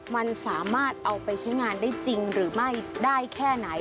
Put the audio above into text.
มันสามารถเอาไปใช้งานได้จริงหรือไม่ได้แค่ไหน